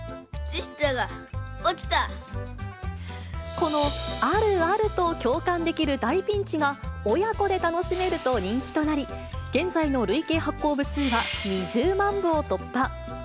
この、あるあると共感できる大ピンチが、親子で楽しめると人気となり、現在の累計発行部数は２０万部を突破。